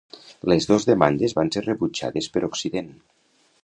Les dos demandes van ser rebutjades per Occident.